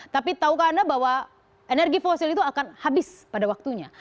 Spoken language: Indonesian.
tapi tahukah anda bahwa energi fosil itu akan habis pada waktunya